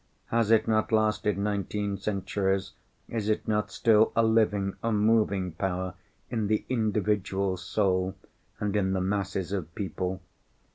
Has it not lasted nineteen centuries, is it not still a living, a moving power in the individual soul and in the masses of people?